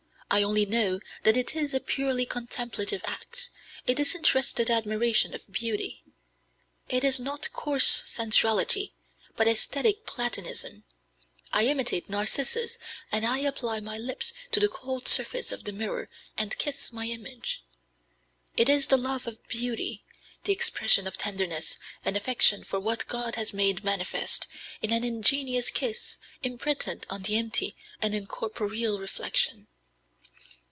I only know that it is a purely contemplative act, a disinterested admiration of beauty. It is not coarse sensuality, but æsthetic platonism. I imitate Narcissus; and I apply my lips to the cold surface of the mirror and kiss my image. It is the love of beauty, the expression of tenderness and affection for what God has made manifest, in an ingenuous kiss imprinted on the empty and incorporeal reflection."